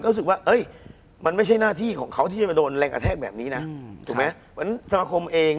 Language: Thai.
คุณผู้ชมบางท่าอาจจะไม่เข้าใจที่พิเตียร์สาร